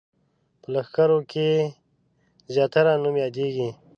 په لښکرکښیو کې زیاتره نوم یادېږي.